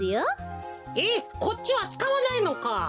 えっこっちはつかわないのか。